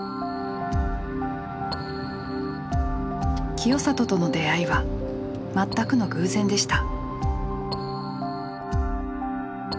清里との出会いは全くの偶然でした。